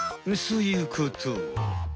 そういうこと。